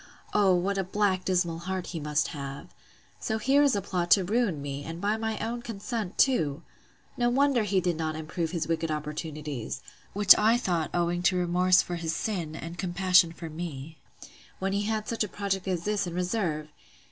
O, what a black dismal heart must he have! So here is a plot to ruin me, and by my own consent to!—No wonder he did not improve his wicked opportunities, (which I thought owing to remorse for his sin, and compassion for me,) when he had such a project as this in reserve!